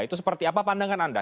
itu seperti apa pandangan anda